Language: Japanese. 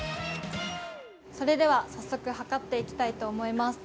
それでは早速、測っていきたいと思います。